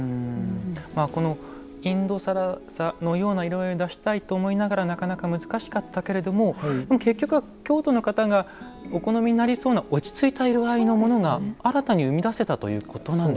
まあこのインド更紗のような色合いを出したいと思いながらなかなか難しかったけれども結局は京都の方がお好みになりそうな落ち着いた色合いのものが新たに生み出せたということなんでしょうか？